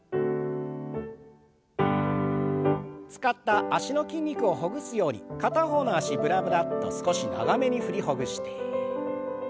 使った脚の筋肉をほぐすように片方の脚ぶらぶらっと少し長めに振りほぐして。